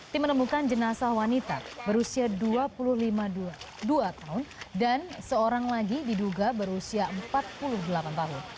tim menemukan jenazah wanita berusia dua puluh lima dua tahun dan seorang lagi diduga berusia empat puluh delapan tahun